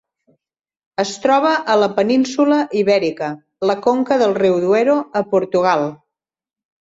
Es troba a la península Ibèrica: la conca del riu Duero a Portugal.